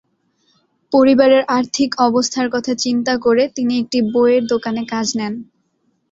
পরিবারের আর্থিক অবস্থার কথা চিন্তা করে তিনি একটি বইয়ের দোকানে কাজ নেন।